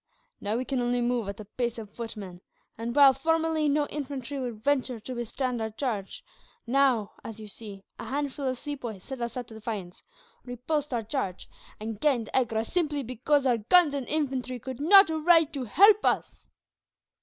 "Now we can only move at the pace of footmen; and while, formerly, no infantry would venture to withstand our charge; now, as you see, a handful of Sepoys set us at defiance, repulsed our charges, and gained Agra simply because our guns and infantry could not arrive to help us."